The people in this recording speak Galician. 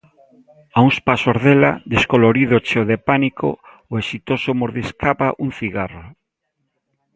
A uns pasos dela, descolorido e cheo de pánico, o exitoso mordiscaba un cigarro.